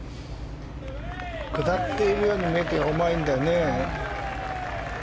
下っているように見えて重いんだよね。